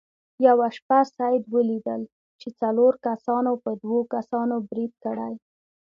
یوه شپه سید ولیدل چې څلورو کسانو په دوو کسانو برید کړی.